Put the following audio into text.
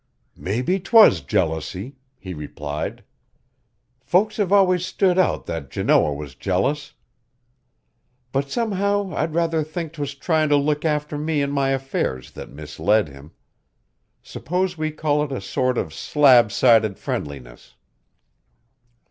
"Mebbe 'twas jealousy," he replied. "Folks have always stood out that Janoah was jealous. But somehow I'd rather think 'twas tryin' to look after me an' my affairs that misled him. S'pose we call it a sort of slab sided friendliness."